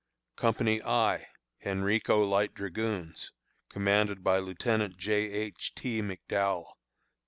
Company I (Henrico Light Dragoons), commanded by Lieutenant J. H. T. McDowell.